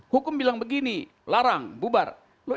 hukum bilang begini larang bubar